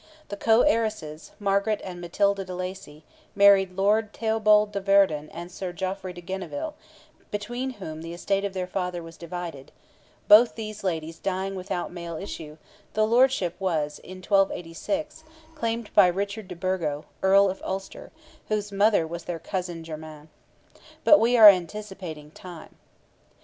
The co heiresses, Margaret and Matilda de Lacy, married Lord Theobald de Verdon and Sir Geoffrey de Genneville, between whom the estate of their father was divided; both these ladies dying without male issue, the lordship was, in 1286, claimed by Richard de Burgo, Earl of Ulster, whose mother was their cousin germain. But we are anticipating time.